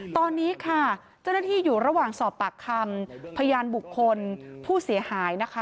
ตอนนี้ค่ะเจ้าหน้าที่อยู่ระหว่างสอบปากคำพยานบุคคลผู้เสียหายนะคะ